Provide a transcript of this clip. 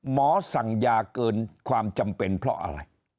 หมอสั่งยาเกินความจำเป็นเพราะอะไร